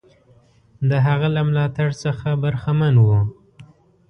د هغه له ملاتړ څخه برخمن وو.